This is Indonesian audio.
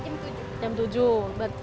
mulainya setengah jam tujuh